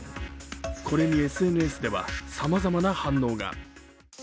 これにＳＮＳではさまざまな反応が。